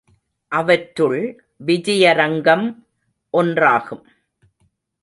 அவற்றுள் விஜயரங்கம் ஒன்றாகும்.